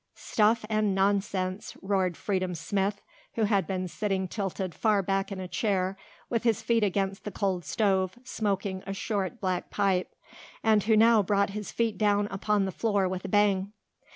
"Stuff and nonsense," roared Freedom Smith, who had been sitting tilted far back in a chair with his feet against the cold stove, smoking a short, black pipe, and who now brought his feet down upon the floor with a bang.